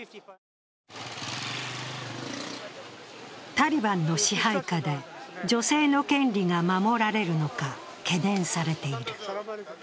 タリバンの支配下で女性の権利が守られるのか懸念されている。